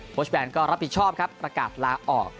ชแบนก็รับผิดชอบครับประกาศลาออก